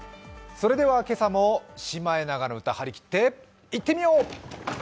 それでは今朝も「シマエナガの歌」張り切って、いってみよう！